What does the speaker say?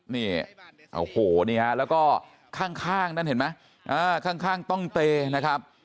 นี่โอ้โหนี่ฮะแล้วก็ข้างนั้นเห็นไหมข้างต้องเตนะครับ